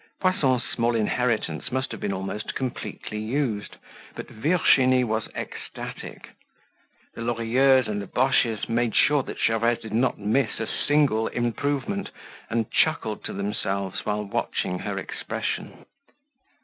Poisson's small inheritance must have been almost completely used, but Virginie was ecstatic. The Lorilleuxs and the Boches made sure that Gervaise did not miss a single improvement and chuckled to themselves while watching her expression.